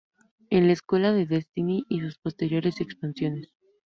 Es la secuela de "Destiny" y sus posteriores expansiones.